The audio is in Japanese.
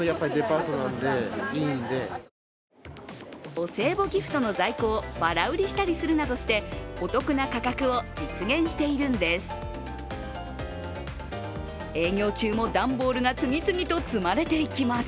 お歳暮ギフトの在庫をばら売りしたりするなどしてお得な価格を実現しているんです。